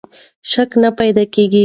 شک نه پیدا کېږي.